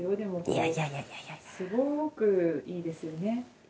いやいやいやいやいやいやすごくいいですよね。